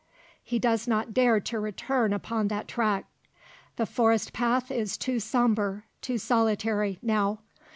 He does not dare to return upon that track. The forest path is too sombre, too solitary, now.